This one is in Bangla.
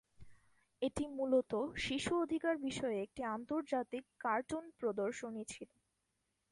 এটি মুলত শিশু অধিকার বিষয়ে একটি আন্তর্জাতিক কার্টুন প্রদর্শনী ছিলো।